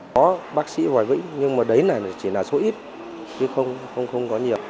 có bác sĩ hoài vĩnh nhưng mà đấy chỉ là số ít chứ không có nhiều